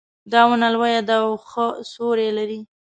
دا ونه لویه ده او ښه سیوري لري